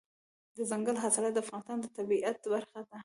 دځنګل حاصلات د افغانستان د طبیعت برخه ده.